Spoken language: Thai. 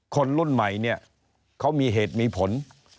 คนรุ่นใหม่เขามีเหตุมีผล